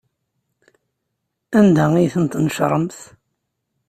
Anda ay tent-tnecṛemt?